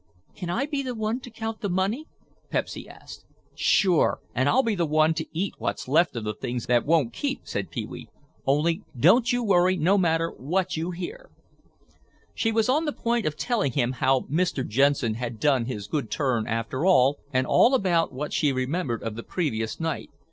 "Can I be the one to count the money?" Pepsy asked. "Sure, and I'll be the one to eat what's left of the things that won't keep," said Pee wee. "Only don't you worry no matter what you hear—" She was on the point of telling him how Mr. Jensen had done his good turn after all, and all about what she remembered of the previous night.